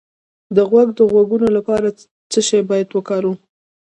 د غوږ د غږونو لپاره باید څه شی وکاروم؟